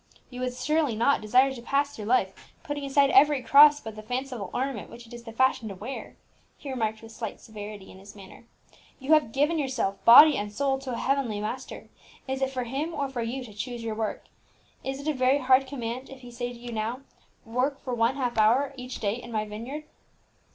"You would surely not desire to pass through life putting aside every cross but the fanciful ornament which it is the fashion to wear!" he remarked with slight severity in his manner. "You have given yourself, body and soul, to a heavenly Master, is it for Him or for you to choose your work? Is it a very hard command if He say to you now, 'Work for one half hour each day in My vineyard'?"